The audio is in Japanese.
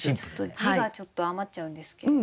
字がちょっと余っちゃうんですけれど。